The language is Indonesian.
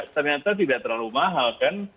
ternyata tidak terlalu mahal kan